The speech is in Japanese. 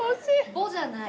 「ボ」じゃない。